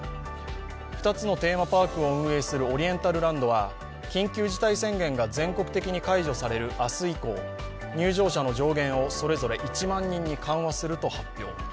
２つのテーマパークを運営するオリエンタルランドは緊急事態宣言が全国的に解除される明日以降、入場者の上限をそれぞれ１万人に緩和すると発表。